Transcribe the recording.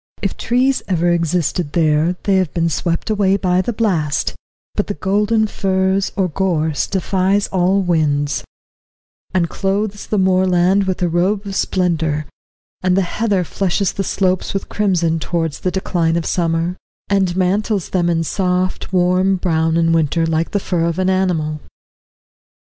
If trees ever existed there, they have been swept away by the blast, but the golden furze or gorse defies all winds, and clothes the moorland with a robe of splendour, and the heather flushes the slopes with crimson towards the decline of summer, and mantles them in soft, warm brown in winter, like the fur of an animal.